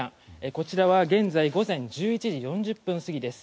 こちらは現在午前１１時４０分過ぎです。